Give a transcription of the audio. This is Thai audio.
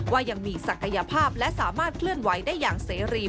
ว่ายังมีศักยภาพและสามารถเคลื่อนไหวได้อย่างเสรี